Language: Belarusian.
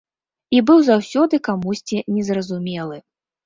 І быў заўсёды камусьці незразумелы.